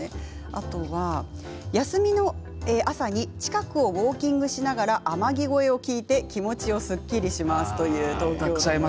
あとは休みの朝に近くをウォーキングしながら「天城越え」を聴いて気持ちをすっきりさせます。